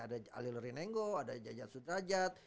ada alil rinengo ada jajat sudrajat